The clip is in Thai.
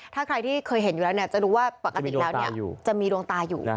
ถ้าใครที่เคยเห็นอยู่แล้วจะรู้ว่าปกติแล้วจะมีดวงตาอยู่